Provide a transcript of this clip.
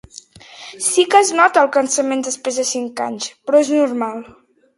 Sí que es nota el cansament després de cinc anys, però és normal.